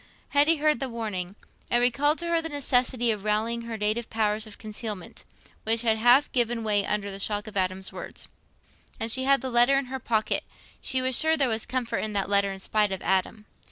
Hetty heard the warning. It recalled to her the necessity of rallying her native powers of concealment, which had half given way under the shock of Adam's words. And she had the letter in her pocket: she was sure there was comfort in that letter in spite of Adam.